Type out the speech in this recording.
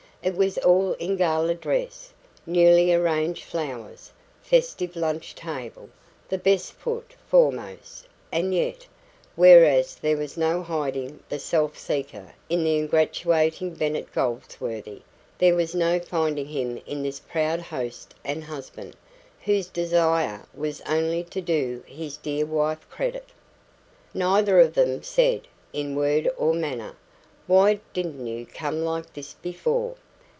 It was all in gala dress newly arranged flowers, festive lunch table, the best foot foremost; and yet, whereas there was no hiding the self seeker in the ingratiating Bennet Goldsworthy, there was no finding him in this proud host and husband, whose desire was only to do his dear wife credit. Neither of them said, in word or manner, "Why didn't you come like this before?"